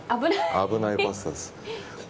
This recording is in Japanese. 危ないパスタです。